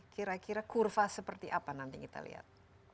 kira kira kurva seperti apa nanti kita lihat